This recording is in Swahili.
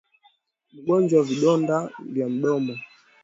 Magonjwa ya vidonda vya mdomoni